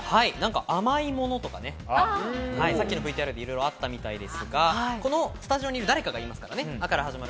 甘いものとか、さっきのＶＴＲで、いろいろあったみたいですが、このスタジオの誰かが言いますからね。